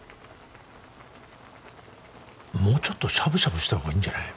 もうちょっとしゃぶしゃぶした方がいいんじゃない？